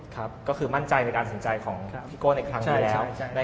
ฮ่าคือมานใจในการที่สินใจของพี่โกอีกครั้งครั้งอยู่แล้ว